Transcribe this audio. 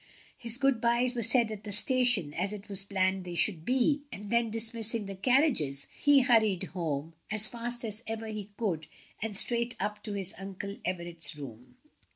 His good byes were said at the station, as it was planned they should be; and then dismissing the carriages, he hurried home as fast as ever he could and straight up to his Uncle Everett's room.